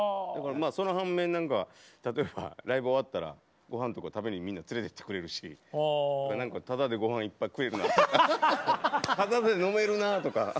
その反面何か例えばライブ終わったらごはんとか食べにみんな連れてってくれるしただでごはんいっぱい食えるなとかただで飲めるなとか。